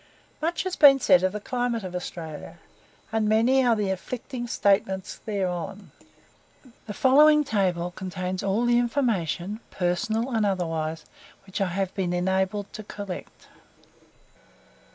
Much has been said of the climate of Australia, and many are the conflicting statements thereon. The following table contains all the information personal and otherwise which I have been enabled to collect.